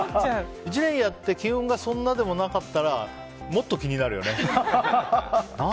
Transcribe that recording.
１年やって金運がそんなでもなかったらもっと気になるよね。